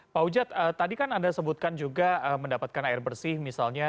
pak ujad tadi kan anda sebutkan juga mendapatkan air bersih misalnya